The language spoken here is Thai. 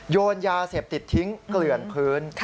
โยนยาเสพติดทิ้งเกลื่อนพื้น